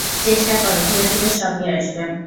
চেষ্টা কর, ধীরে ধীরে সবই আসিবে।